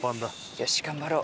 よし頑張ろう。